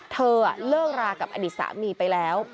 เธอเลิกรากับอดีตสามีไปแล้ว